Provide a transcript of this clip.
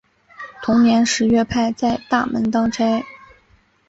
同年十月派在大门当差。